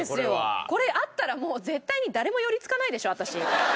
これあったらもう絶対に誰も寄りつかないでしょ私。